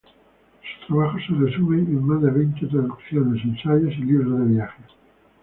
Sus trabajos se resumen en más de veinte traducciones, ensayos y libros de viajes.